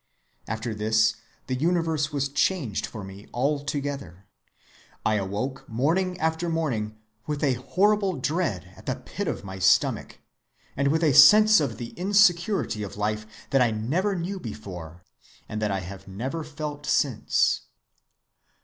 After this the universe was changed for me altogether. I awoke morning after morning with a horrible dread at the pit of my stomach, and with a sense of the insecurity of life that I never knew before, and that I have never felt since.